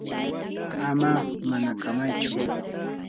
ama manakamaychu.